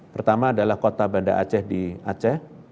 pertama adalah kota banda aceh di aceh